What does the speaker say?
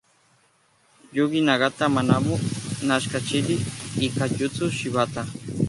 Yuji Nagata, Manabu Nakanishi y Katsuyori Shibata.